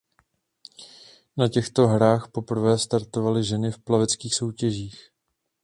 Na těchto hrách poprvé startovaly ženy v plaveckých soutěžích.